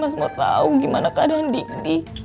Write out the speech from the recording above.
mas mau tau gimana keadaan dik dik